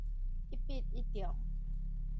一匕一中